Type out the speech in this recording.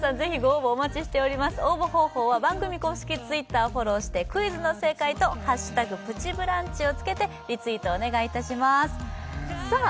応募方法は番組公式Ｔｗｉｔｔｅｒをフォローしてクイズの正解と「＃プチブランチ」をつけてリツイートお願いいたしますさあ